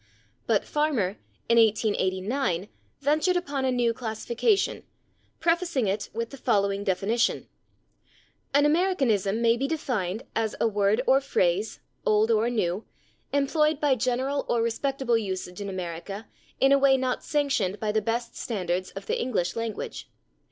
But Farmer, in 1889, ventured upon a new classification, prefacing it with the following definition: An Americanism may be defined as a word or phrase, old or new, employed by general or respectable usage in America in a way not sanctioned by the best standards of the English language.